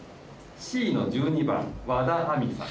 Ｃの１２番和田愛海さん。